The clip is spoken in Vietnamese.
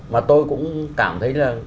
mà tôi cũng cảm thấy là